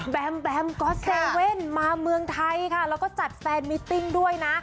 แมมแบมก๊อตเซเว่นมาเมืองไทยค่ะแล้วก็จัดแฟนมิติ้งด้วยนะ